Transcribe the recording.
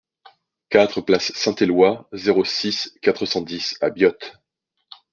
quatre place Saint-Eloi, zéro six, quatre cent dix à Biot